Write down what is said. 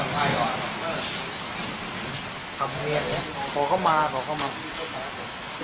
น้ำลูกเต้นลูก